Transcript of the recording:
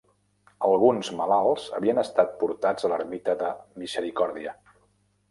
Alguns malalts havien estat portats a l'ermita de Misericòrdia.